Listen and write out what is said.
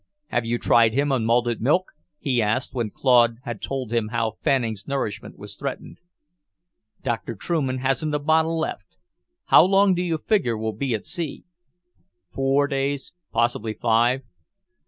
"Have you tried him on malted milk?" he asked, when Claude had told him how Farming's nourishment was threatened. "Dr. Trueman hasn't a bottle left. How long do you figure we'll be at sea?" "Four days; possibly five."